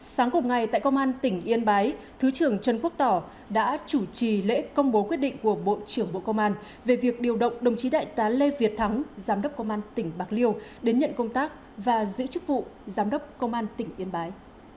sáng cùng ngày tại công an tỉnh yên bái thứ trưởng trần quốc tỏ đã chủ trì lễ công bố quyết định của bộ trưởng bộ công an về việc điều động đồng chí đại tá lê việt thắng giám đốc công an tỉnh bạc liêu đến nhận công tác và giữ chức vụ giám đốc công an tỉnh yên bái